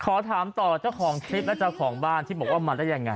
ขอถามต่อเจ้าของคลิปและเจ้าของบ้านที่บอกว่ามาได้ยังไง